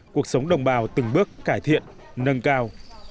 cuộc sống đồng bào từng bước cải thiện nâng cao